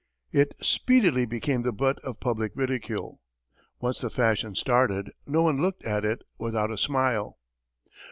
It speedily became the butt of public ridicule. Once the fashion started, no one looked at it without a smile.